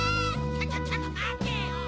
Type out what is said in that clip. ちょっちょっと待てよ！